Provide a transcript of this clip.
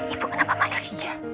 ibu kenapa malam lagi ya